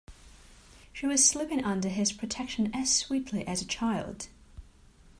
She was sleeping under his protection as sweetly as a child.